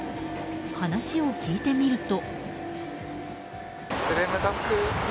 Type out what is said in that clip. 話を聞いてみると。